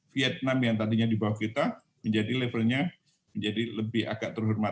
vietnam yang tadinya di bawah kita menjadi levelnya menjadi lebih agak terhormat